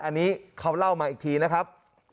อันนี้เขาเล่ามาอีกทีนะครับ